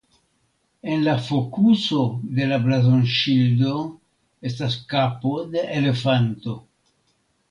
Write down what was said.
En la fokuso de la blazonŝildo estas kapo de elefanto.